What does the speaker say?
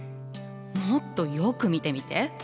もっとよく見てみて。